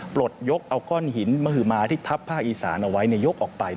ปลดยกเอาก้อนหินมหมาที่ทัพภาคอีสานเอาไว้ยกออกไป